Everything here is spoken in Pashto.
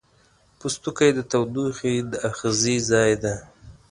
پوستکی د تودوخې د آخذې ځای دی.